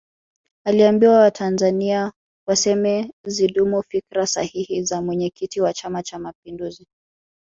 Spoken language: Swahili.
aliwaambia watanzania waseme zidumu fikra sahihi za mwenyekiti wa chama cha mapinduzi